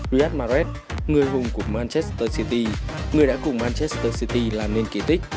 riyad mahrez người hùng của manchester city người đã cùng manchester city làm nên kỳ tích